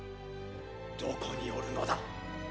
どこにおるのだ？